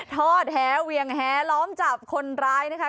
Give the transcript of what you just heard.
ทอดแหเวียงแหล้อมจับคนร้ายนะคะ